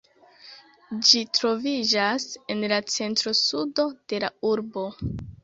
Ĝi troviĝas en la centro-sudo de la urbo.